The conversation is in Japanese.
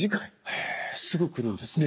へえすぐ来るんですね。